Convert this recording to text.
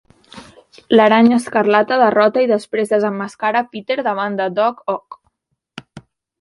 L'aranya escarlata derrota i després desemmascara Peter davant de Doc Ock.